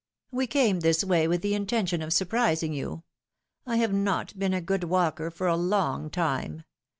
We came this way, with the intention of surprising yon. I have not been a good walker for a long time.